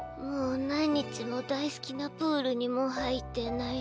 もう何日も大好きなプールにも入ってないし